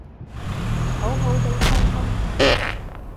好好哋溝通